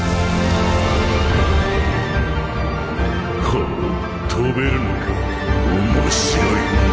ほう飛べるのか面白い！